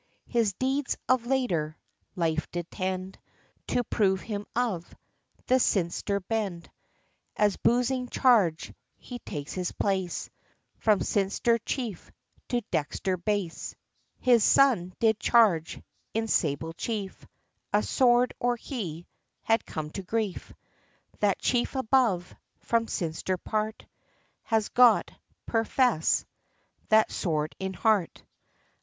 HIS deeds, of later Life, did tend, To prove him of The Sinister Bend; As boozing Charge, He takes his place, From Sinister Chief, To Dexter Base. HIS son, did Charge In Sable Chief, A Sword, or he Had come to grief; That Chief above, From Sinister, part, Has got, per Fesse That Sword in Heart!